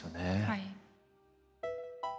はい。